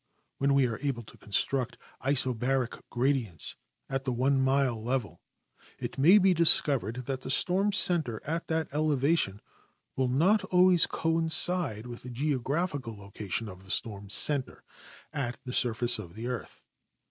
When we are able to construct isobaric gradients at the one mile level it may be discovered that the storm center at that elevation will not always coincide with the geographical location of the storm center at the surface of the earth.